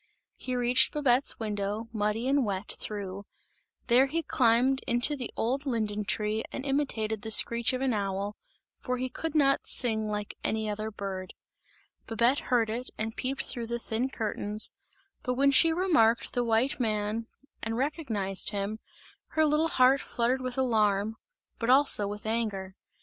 He reached Babette's window, muddy and wet through, there he climbed into the old linden tree and imitated the screech of an owl, for he could not sing like any other bird. Babette heard it and peeped through the thin curtains, but when she remarked the white man and recognized him, her little heart fluttered with alarm, but also with anger.